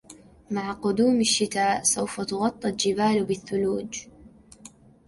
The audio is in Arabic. مع قدوم الشتاء ،سوف تُغطى الجبال بالثلوج